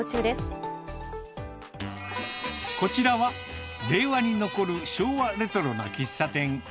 こちらは、令和に残る昭和レトロな喫茶店。